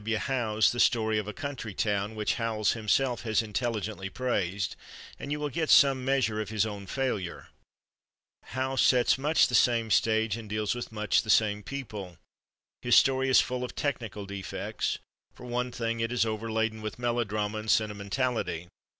W. Howe's "The Story of a Country Town," which Howells himself has intelligently praised, and you will get some measure of his own failure. Howe sets much the same stage and deals with much the same people. His story is full of technical defects—for one thing, it is overladen with melodrama and sentimentality.